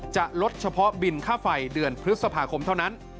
จะลดเฉพาะบินค่าไฟเดือนพฤษภาคมเท่านั้น